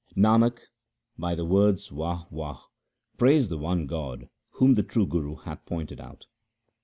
Nanak, by the words Wah ! Wah ! praise the one God whom the true Guru hath pointed out.